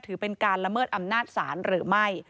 ถือเป็นการละเมิดอำนาจศาลหรือไม่